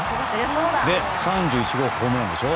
３１号ホームランでしょ。